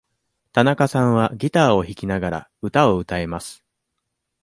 田中さんはギターを弾きながら、歌を歌えます。